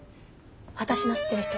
私の知ってる人？